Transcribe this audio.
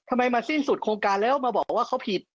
มาสิ้นสุดโครงการแล้วมาบอกว่าเขาผิด